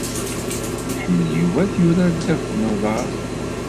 Iḥemmel Yuba ad yurar ddabex n uḍaṛ.